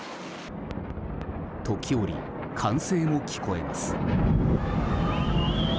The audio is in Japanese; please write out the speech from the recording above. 時折、歓声も聞こえます。